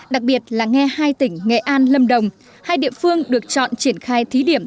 đặc biệt là nghe hai tỉnh nghệ an lâm đồng hai địa phương được chọn triển khai thí điểm